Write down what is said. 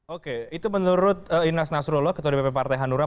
oke itu menurut inas nasrullah ketua dpp partai hanura